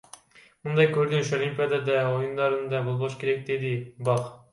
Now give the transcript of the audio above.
Мындай көрүнүш Олимпиада оюндарында болбош керек, — деди Бах.